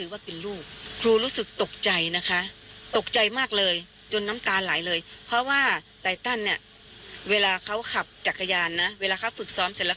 เวลาเขาขับจักรยานนะเวลาเขาฝึกซ้อมเสร็จแล้ว